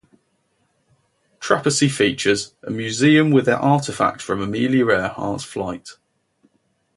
Trepassey features a museum with artifacts from Amelia Earhart's flight.